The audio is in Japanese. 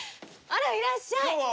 あらいらっしゃい！